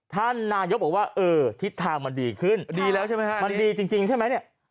ท่านนายกบอกว่าเออทิศทางมันดีขึ้นดีแล้วใช่ไหมฮะมันดีจริงใช่ไหมเนี่ย